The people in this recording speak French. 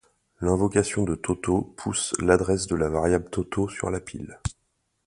L'invocation de toto pousse l'adresse de la variable toto sur la pile.